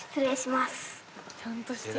「ちゃんとしてる」